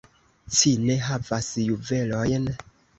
Ci ne havas juvelojn?